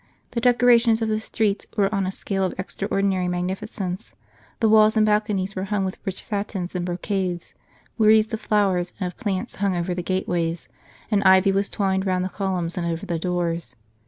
The decorations of the streets were on a scale of extraordinary magnificence, the walls and balconies were hung with rich satins and brocades, wreaths of flowers and of plants hung over the gateways, and ivy was twined round the columns and over the doors.